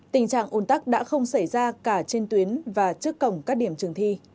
tình trạng ồn tắc đã không xảy ra cả trên tuyến và trước cổng các điểm trường thi